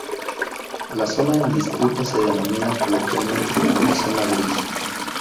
La zona en disputa se denomina coloquialmente como la "zona gris".